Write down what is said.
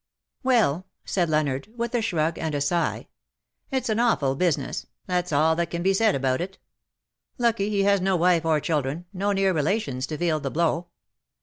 '' "Well/' said Leonard^ with a shrug and a sigh, " it's an awful business, that's all that can be said about it. Lucky he has no wife or children — no near relations to feel the blow.